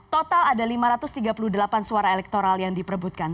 total ada lima ratus tiga puluh delapan suara elektoral yang diperebutkan